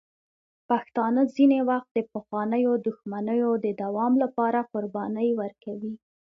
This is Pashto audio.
پښتانه ځینې وخت د پخوانیو دښمنیو د دوام لپاره قربانۍ ورکوي.